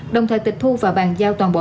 đồng thời tịch thu và bàn giao toàn bộ